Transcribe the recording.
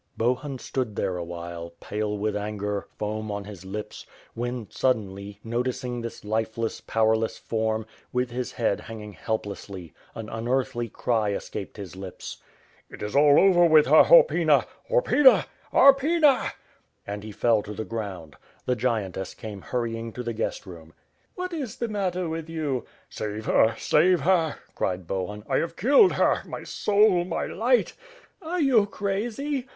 Bohun stod there, awhile, pale with anger, foam on his lips, when, suddenly, noticing this lifeless, powerless form, with her head hanging helplessly, an unearthly cry escaped his lips. "It is all over with her, Horpyna! Horpyna! Horpyna!" And he fell to the ground. The giantess came hurrying to the guest room. "What is the matter with you?*' "Save her! Save her!" cried Bohun, "I have killed her — my soul, my light!" "Are you crazy?"